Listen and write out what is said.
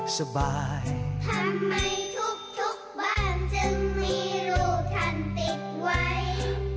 ทำไมทุกบ้านจึงมีรูทันติดไว้